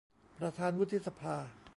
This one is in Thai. ประธานวุฒิสภา